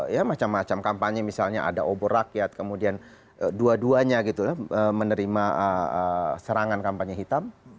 ya macam macam kampanye misalnya ada obor rakyat kemudian dua duanya gitu ya menerima serangan kampanye hitam